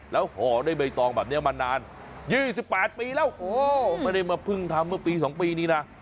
แล้วห่อด้วยใบตองแบบนี้มานาน๒๘ปีแล้วไม่ได้มาเพิ่งทำเมื่อปี๒ปีนี้นะ